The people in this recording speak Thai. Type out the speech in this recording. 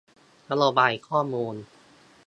นโยบายข้อมูล